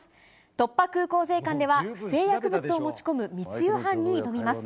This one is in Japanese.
突破空港税関では、不正薬物を持ち込む密輸犯に挑みます。